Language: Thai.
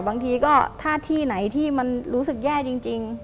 บางทีก็ถ้าที่ไหนที่มันรู้สึกแย่จริง